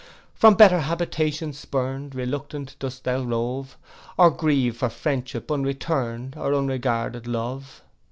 'From better habitations spurn'd, Reluctant dost thou rove; Or grieve for friendship unreturn'd, Or unregarded love?